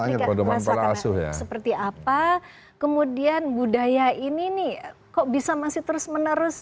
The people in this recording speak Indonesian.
kemudian kemudian budaya ini nih kok bisa masih terus menerus